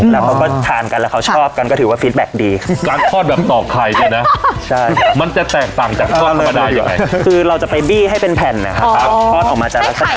แล้วเขาก็ทานกันแล้วเขาชอบกันก็ถือว่าฟิตแบ็คดีการทอดแบบต่อไข่เนี่ยนะ